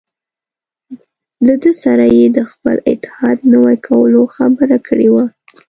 له ده سره یې د خپل اتحاد نوي کولو خبره کړې وه.